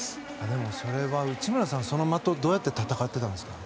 でも、それは内村さんその魔とどうやって戦っていたんですか？